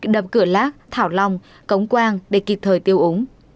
đập cửa lác thảo long cống quang để kịp thời tiêu úng